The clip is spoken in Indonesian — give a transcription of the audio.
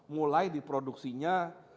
mulai di produksinya